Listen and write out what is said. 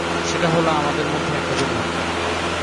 সেটা হল আমাদের মধ্যে একটা পরিবর্তন।